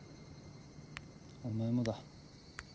お前もだ。